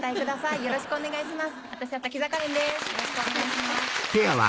よろしくお願いします。